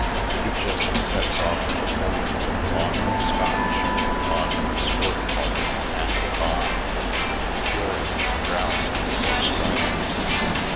He just sets off in a corner with a bottle of Scotch and a bottle of squirtwater handy by, curing his drought, or striving to.